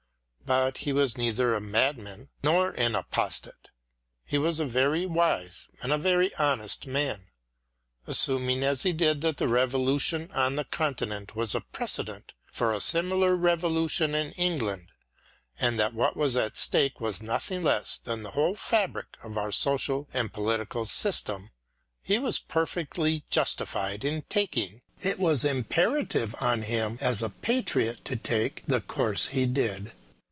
But he was neither a madman nor an apostate. He was a very wise and a very honest man. Assuming as he did that the Revolution on the Continent was a precedent for a similar revolution in England and that what was at stake was nothing less than the whole fabric of our 52 EDMUND BURKE social and political system, he was perfectly justified in taking — it was imperative on him as a patriot to take — the course he did.